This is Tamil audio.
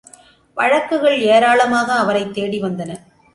வழக்குகள் ஏராளமாக அவரைத் தேடிவந்தன.